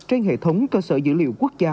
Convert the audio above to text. trên hệ thống cơ sở dữ liệu quốc gia